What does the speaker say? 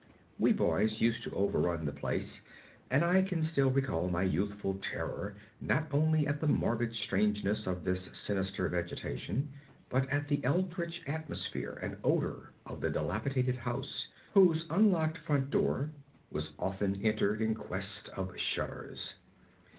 We boys used to overrun the place, and I can still recall my youthful terror not only at the morbid strangeness of this sinister vegetation, but at the eldritch atmosphere and odor of the dilapidated house, whose unlocked front door was often entered in quest of shudders.